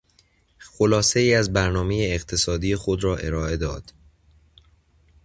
خلاصهای از برنامهی اقتصادی خود را ارائه داد.